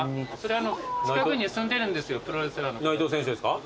内藤選手ですか？